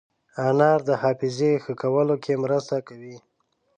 انار د حافظې ښه کولو کې مرسته کوي.